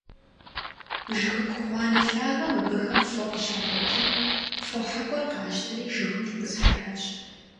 Жыгыку гъуанэ лъагэм абыхэм фо къыщагъуэтым, фо хьэкӀуэр къащтэри жыгым тетӀысхьэжащ.